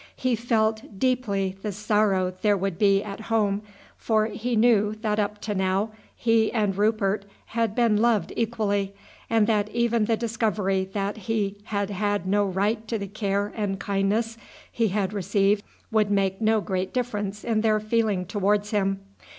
He felt deeply the sorrow there would be at home, for he knew that up to now he and Rupert had been loved equally, and that even the discovery that he had had no right to the care and kindness he had received would make no great difference in their feeling towards him.